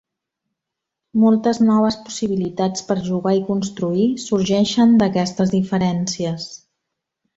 Moltes noves possibilitats per jugar i construir sorgeixen d'aquestes diferències.